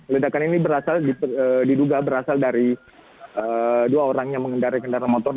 ledakan ini diduga berasal dari dua orang yang mengendarai kendaraan motor